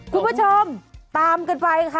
คุณผู้ชมตามกันไปค่ะ